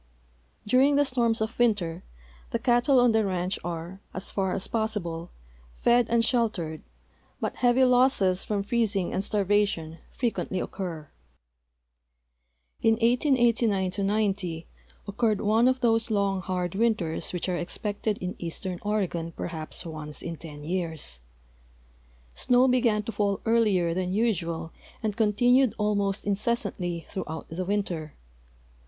During the storms of winter the cattle on the ranch are, as far as possilde, fed and sheltered, but heavy losses from freez ing and starvation frequently occur. In 1889 '9U occurred one of those long, hard winters which are expected in eastern Oregon perhaps once in ten years. Snow began to fall earlier than usual and continued almost incessantly throughout the winter.